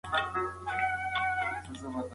ذهن د انسان پېچلی نظام دی.